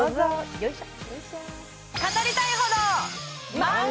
よいしょ。